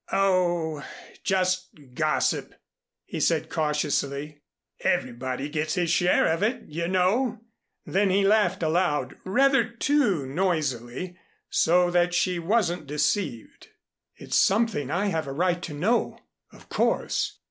"Oh, just gossip," he said cautiously. "Everybody gets his share of it, you know." Then he laughed aloud, rather too noisily, so that she wasn't deceived. "It's something I have a right to know, of course.